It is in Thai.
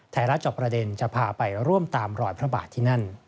จอบประเด็นจะพาไปร่วมตามรอยพระบาทที่นั่น